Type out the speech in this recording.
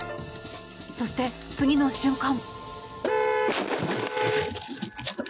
そして、次の瞬間。